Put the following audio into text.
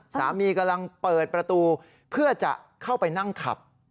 สามีกำลังเปิดประตูเพื่อจะเข้าไปนั่งขับ